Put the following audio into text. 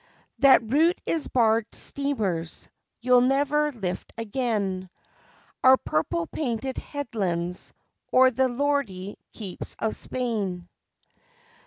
That route is barred to steamers: you'll never lift again Our purple painted headlands or the lordly keeps of Spain.